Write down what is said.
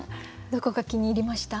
どこが気に入りました？